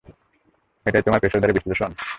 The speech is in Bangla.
এটাই তোমার পেশাদারি বিশ্লেষণ?